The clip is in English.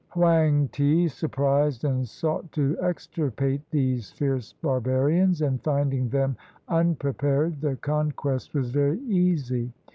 Hoang ti surprised and sought to extirpate these fierce barbarians; and finding them unprepared, the conquest was very easy.